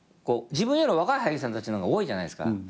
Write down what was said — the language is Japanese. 自分より若い俳優さんたちの方が多いじゃないですか。